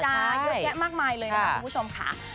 ปอยตะนี้ชะดานเยอะแกะมากมายเลยนะครับคุณผู้ชมค่ะ